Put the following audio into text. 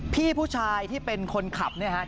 พี่ผู้ชายที่เป็นคนขับเนี่ยฮะ